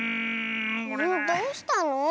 どうしたの？